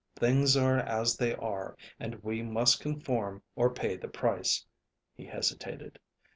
Things are as they are, and we must conform or pay the price." He hesitated.